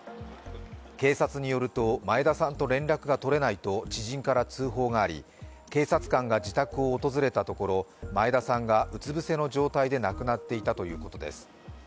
警察によると、前田さんと連絡が取れないと知人から通報があり、警察官が自宅を訪れたところ前田さんがうつぶせの状態で亡くなっていたということです。